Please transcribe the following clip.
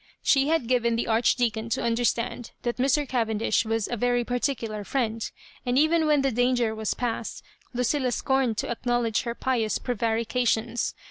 She had given the Archdeacon to understand that Mr. Cavendish was a iterif particular friend;" and even when the danger was past, Lucilla scorned to acknowledge her pious prevarications.